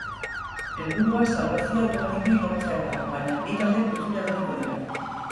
Helburua salbazioa automatikoki lortzea da, baina bi talde putzura eroriko dira.